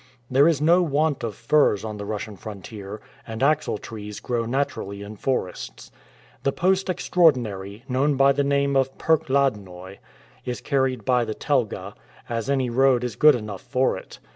There is no want of firs on the Russian frontier, and axle trees grow naturally in forests. The post extraordinary, known by the name of "perck ladnoi," is carried by the telga, as any road is good enough for it.